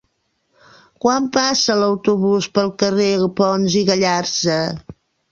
Quan passa l'autobús pel carrer Pons i Gallarza?